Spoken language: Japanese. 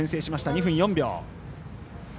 ２分４秒。